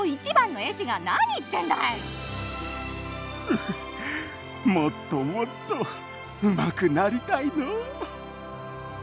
ううもっともっとうまくなりたいのう。